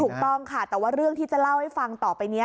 ถูกต้องค่ะแต่ว่าเรื่องที่จะเล่าให้ฟังต่อไปนี้